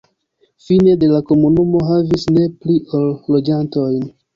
Fine de la komunumo havis ne pli ol loĝantojn.